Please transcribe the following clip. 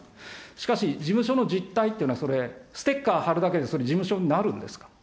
しかし、事務所の実態っていうのは、それ、ステッカー貼るだけで、それ、事務所になるんですか。